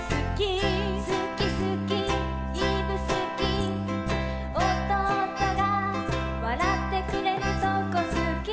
「すきすきいぶすき」「弟がわらってくれるとこすき」